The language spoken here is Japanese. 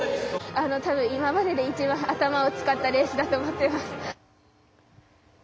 たぶん今までで一番頭を使ったレースだと思っています。